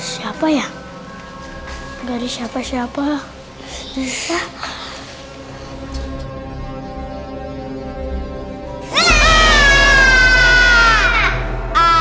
siapa ya dari siapa siapa bisa